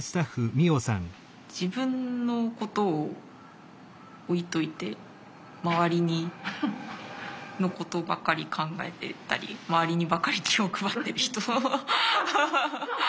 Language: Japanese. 自分のことを置いといて周りのことばかり考えてたり周りにばかり気を配ってる人。